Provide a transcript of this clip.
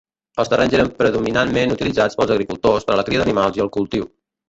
Els terrenys eren predominantment utilitzats pels agricultors per a la cria d'animals i el cultiu.